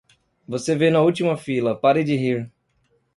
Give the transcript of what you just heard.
Você vê na última fila, pare de rir!